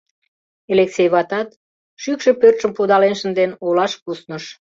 Элексей ватат, шӱкшӧ пӧртшым пудален шынден, олаш кусныш.